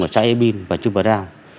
ở xã ebin và trưng bờ đao